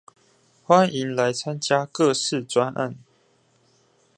歡迎來參加各式專案